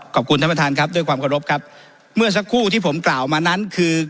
ขอบคุณท่านประธานครับด้วยความเคารพครับเมื่อสักครู่ที่ผมกล่าวมานั้นคือ